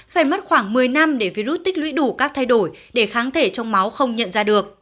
phải mất khoảng một mươi năm để virus tích lũy đủ các thay đổi để kháng thể trong máu không nhận ra được